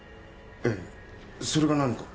ええそれが何か？